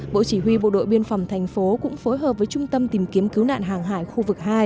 bộ chỉ huy bộ đội biên phòng thành phố cũng phối hợp với trung tâm tìm kiếm cứu nạn hàng hải khu vực hai